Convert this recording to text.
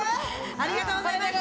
ありがとうございます